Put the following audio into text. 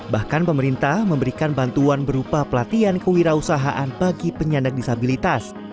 bahkan pemerintah memberikan bantuan berupa pelatihan kewirausahaan bagi penyandang disabilitas